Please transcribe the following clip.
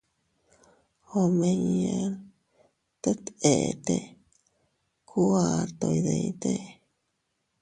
Omiña tet eete ku ato iydite.